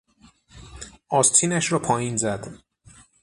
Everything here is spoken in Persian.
آستینش را پایین زد.